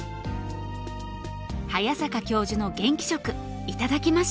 早坂教授の元気食頂きました！